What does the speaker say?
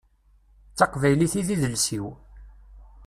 D taqbaylit i d idles-iw.